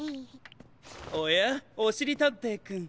おやおしりたんていくん。